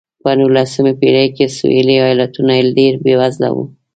په نولسمې پېړۍ کې سوېلي ایالتونه ډېر بېوزله وو.